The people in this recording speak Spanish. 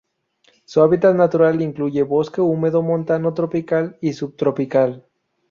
Su hábitat natural incluye bosque húmedo montano tropical y subtropical.